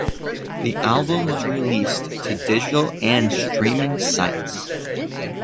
The album was released to digital and streaming sites.